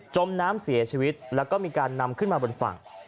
มน้ำเสียชีวิตแล้วก็มีการนำขึ้นมาบนฝั่ง